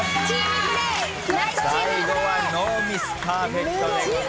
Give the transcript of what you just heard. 最後はノーミスパーフェクトでございました。